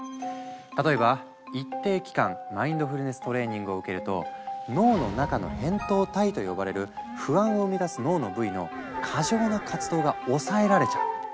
例えば一定期間マインドフルネス・トレーニングを受けると脳の中の「扁桃体」と呼ばれる不安を生み出す脳の部位の過剰な活動が抑えられちゃう。